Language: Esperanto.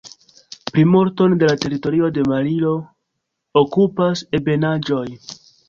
Plimulton de teritorio de Malio okupas ebenaĵoj.